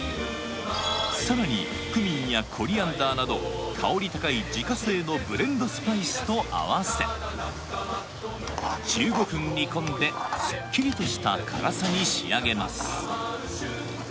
さらにクミンやコリアンダーなど香り高い自家製のブレンドスパイスと合わせ１５分煮込んですっきりとした辛さに仕上げます